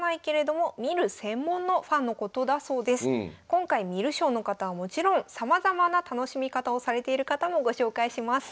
今回観る将の方はもちろんさまざまな楽しみ方をされている方もご紹介します。